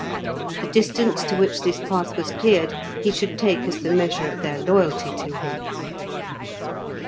The distance to which this path was cleared he should take as the measure of their loyalty to him.